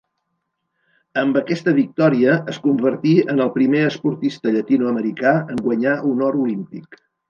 Amb aquesta victòria es convertí en el primer esportista llatinoamericà en guanyar un or olímpic.